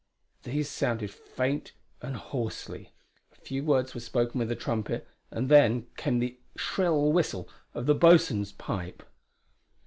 These sounded faint and hoarsely; a few words were spoken with a trumpet, and then came the shrill whistle of the boatswain's pipe.